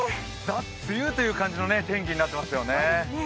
ザ・梅雨という感じの天気になっていますよね。